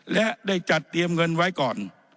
และได้จัดเตรียมเงินไว้ก่อน